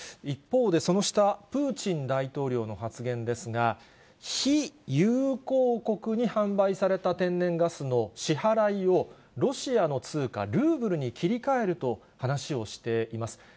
一方で、その下、プーチン大統領の発言ですが、非友好国に販売された天然ガスの支払いを、ロシアの通貨ルーブルに切り替えると話をしています。